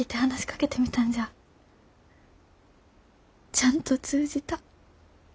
ちゃんと通じた。